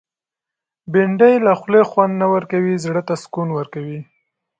بېنډۍ له خولې خوند نه ورکوي، زړه ته سکون ورکوي